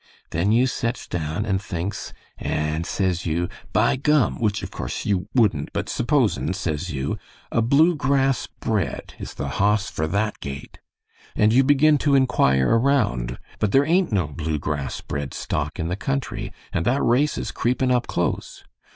Then you sets down and thinks, and, says you, 'By gum, which of course you wouldn't, but supposin' says you, 'a Blue Grass bred is the hoss for that gait'; and you begin to inquire around, but there ain't no Blue Grass bred stock in the country, and that race is creepin' up close.